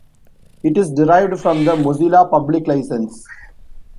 It is derived from the Mozilla Public License.